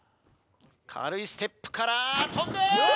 軽いステップから跳んで。